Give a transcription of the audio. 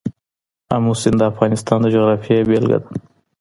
آمو سیند د افغانستان د جغرافیې بېلګه ده.